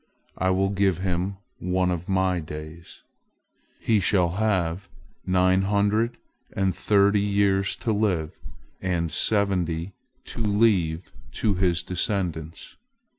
I will give him one of My days. He shall have nine hundred and thirty years to live, and seventy to leave to his descendants."